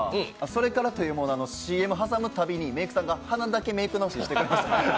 それからというもの、ＣＭを挟むたびにメイクさんが鼻だけメイク直ししてくれました